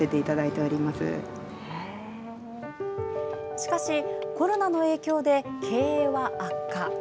しかしコロナの影響で経営は悪化。